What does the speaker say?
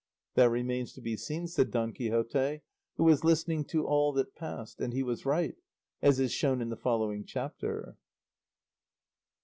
"That remains to be seen," said Don Quixote, who was listening to all that passed; and he was right, as is shown in the following chapter.